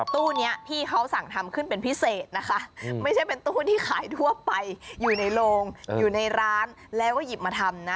ตู้นี้พี่เขาสั่งทำขึ้นเป็นพิเศษนะคะไม่ใช่เป็นตู้ที่ขายทั่วไปอยู่ในโรงอยู่ในร้านแล้วก็หยิบมาทำนะ